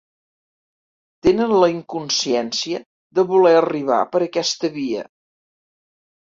Tenen la inconsciència de voler arribar per aquesta via.